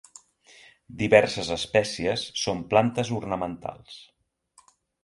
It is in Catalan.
Diverses espècies són plantes ornamentals.